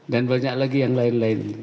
dan banyak lagi yang lain lain